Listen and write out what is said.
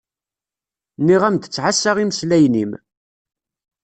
Nniɣ-am-d ttɛassa imeslayen-im.